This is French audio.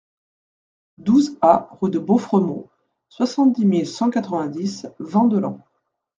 douze A rue de Bauffremont, soixante-dix mille cent quatre-vingt-dix Vandelans